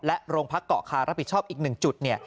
โรงพักเกาะคารับผิดชอบอีก๑จุด